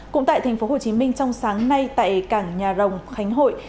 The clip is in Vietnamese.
cũng tại tp hcm trong sáng nay tại cảng nhà rồng khánh hội